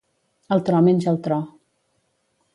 El tro menja el tro.